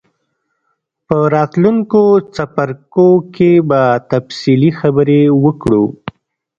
په راتلونکو څپرکو کې به تفصیلي خبرې وکړو.